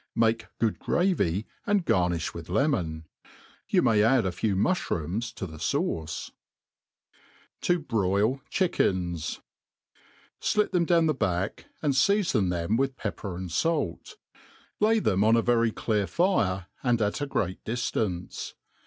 Make good gravy, and garniih with kqioiu Yoil ipay add a itw muihrooms to the fauce* 7i broil Chickens, SLIT them down the back, and feafod them with peppef and fait ; lay them on a very clear fire^ and at a great diftance.